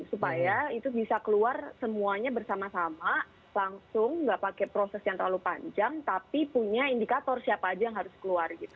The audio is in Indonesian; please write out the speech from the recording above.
supaya itu bisa keluar semuanya bersama sama langsung nggak pakai proses yang terlalu panjang tapi punya indikator siapa aja yang harus keluar gitu